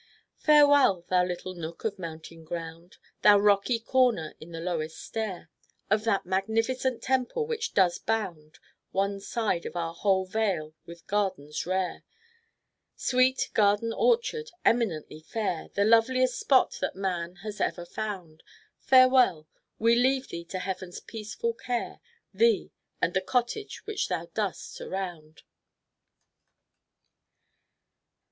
"Farewell, thou little nook of mountain ground, Thou rocky corner in the lowest stair Of that magnificent temple which does bound One side of our whole vale with gardens rare, Sweet garden orchard, eminently fair, The loveliest spot that man has ever found, Farewell! We leave thee to Heaven's peaceful care, Thee, and the Cottage which thou dost surround."